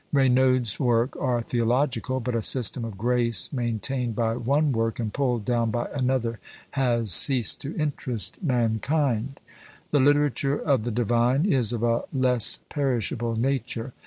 Raynaud's works are theological; but a system of grace maintained by one work and pulled down by another, has ceased to interest mankind: the literature of the divine is of a less perishable nature.